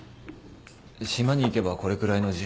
島に行けばこれくらいの字